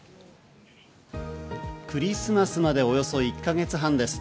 クリスマスまでおよそ１か月半です。